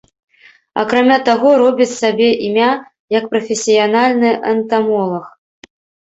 Акрамя таго робіць сабе імя як прафесіянальны энтамолаг.